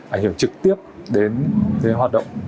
ảnh hưởng trực tiếp đến hoạt động